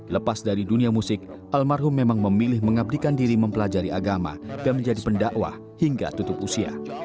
lepas dari dunia musik almarhum memang memilih mengabdikan diri mempelajari agama dan menjadi pendakwah hingga tutup usia